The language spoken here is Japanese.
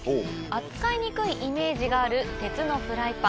扱いにくいイメージがある鉄のフライパン。